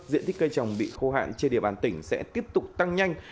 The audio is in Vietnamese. diện tích cây trồng bị khô hạn trên địa bàn tỉnh sẽ tiếp tục tăng nhanh